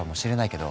けど。